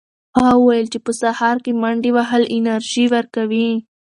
هغه وویل چې په سهار کې منډې وهل انرژي ورکوي.